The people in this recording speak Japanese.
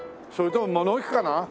それとも物置かな？